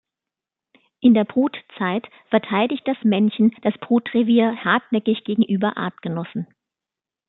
In der Brutzeit verteidigt das Männchen das Brutrevier hartnäckig gegenüber Artgenossen.